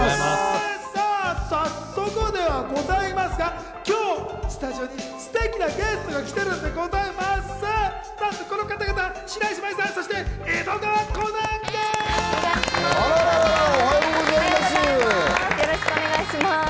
さぁ早速ではございますが、今日、スタジオにステキなゲストが来てくれてるんでございます。